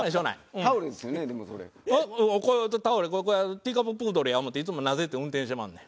ティーカッププードルや思うていつもなでて運転してまんねん。